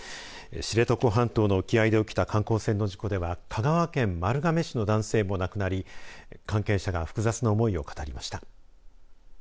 知床半島の沖合で起きた観光船の事故では香川県丸亀市の男性も亡くなり関係者が複雑な思いを語りました。